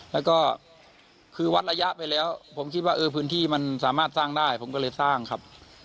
แล้วก็คือวัดระยะไปแล้วผมคิดว่าเออพื้นที่มันสามารถสร้างได้ผมก็เลยสร้างครับ